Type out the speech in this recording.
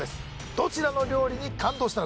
どちらの料理に感動したのか？